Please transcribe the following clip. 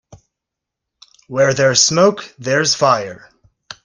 Where there's smoke there's fire.